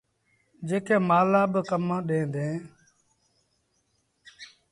جيڪي مآل لآ ڪم ڏيݩ ديٚݩ۔